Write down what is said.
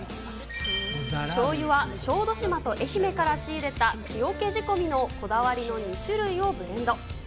しょうゆは小豆島と愛媛から仕入れた木おけ仕込みのこだわりの２種類をブレンド。